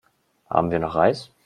Haben wir noch Reis?